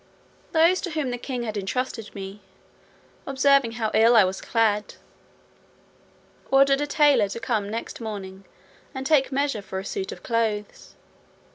Those to whom the king had entrusted me, observing how ill I was clad, ordered a tailor to come next morning, and take measure for a suit of clothes.